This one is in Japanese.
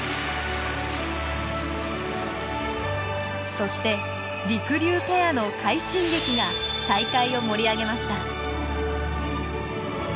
そしてりくりゅうペアの快進撃が大会を盛り上げました。